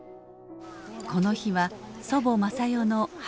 この日は祖母雅代の初盆法要。